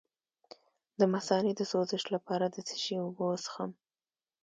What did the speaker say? د مثانې د سوزش لپاره د څه شي اوبه وڅښم؟